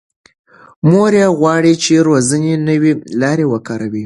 مور یې غواړي چې روزنې نوې لارې وکاروي.